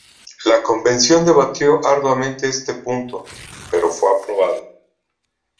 La convención debatió arduamente este punto, pero fue aprobado.